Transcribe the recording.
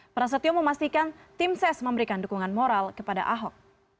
prasetyo memastikan tim ses memberikan dukungan moral kepada ahok